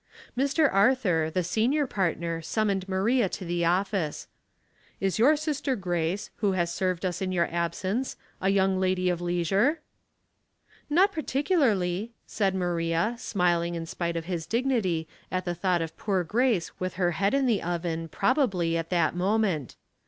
Mr. Arthur, the senior partner, summoned Maria to the office. " Is your sister Grace, who has served us in your absence, a young lady of leisure ?"" Not particularly," said Maria, smiling in spite of his dignity, at the thought of poor Grace with her head in the oven, probably, at that moment.